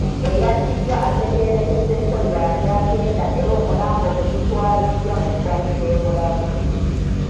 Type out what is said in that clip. Eyattiddwa ategeerekeseeko lya Gyagenda era omulambo gwe gutwaliddwa mu ggwanika e Mulago.